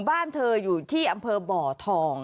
บ้านเธออยู่ที่อำเภอบ่อทอง